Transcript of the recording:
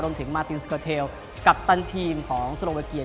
รวมถึงมาตินสกอเทลกัปตันทีมของสโลเวเกีย